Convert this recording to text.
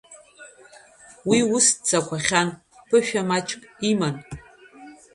Уи ус дцақәахьан, ԥышәа маҷк иман.